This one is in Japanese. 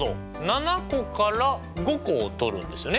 ７個から５個をとるんですよね？